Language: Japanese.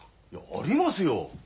あります。